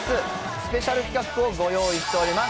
スペシャル企画をご用意しております。